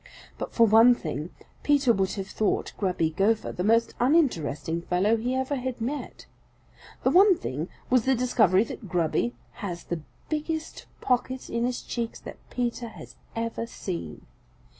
But for one thing Peter would have thought Grubby Gopher the most uninteresting fellow he ever had met. The one thing was the discovery that Grubby has the biggest pockets in his cheeks that Peter has ever seen.